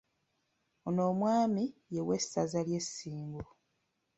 Ono omwami ye w’essaza ly’Essingo.